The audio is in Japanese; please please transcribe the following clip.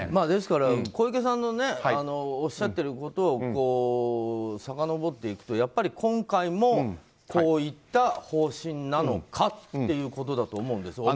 ですから、小池さんのおっしゃっていることをさかのぼっていくと今回もこういった方針なのかということだと思うんです。